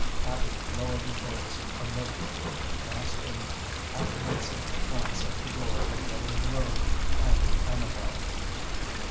Abby lowered her voice a little. She cast an apprehensive glance at the door of the other room, and at Amabel.